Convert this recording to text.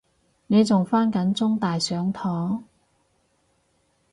你仲返緊中大上堂？